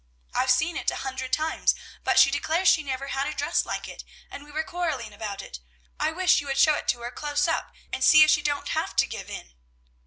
I've seen it a hundred times; but she declares she never had a dress like it, and we were quarrelling about it. I wish you would show it to her close up, and see if she don't have to give in."